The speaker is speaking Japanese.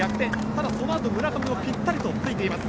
ただ、そのあと村上もぴったりとついています。